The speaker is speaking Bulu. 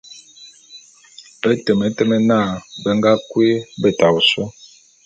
E temetem na, be nga kui beta ôsôé.